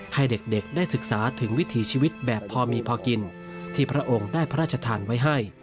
ให้เด็กได้ศึกษาถึงวิถีชีวิตแบบพอมีพอกินที่พระองค์ได้พระราชทานไว้ให้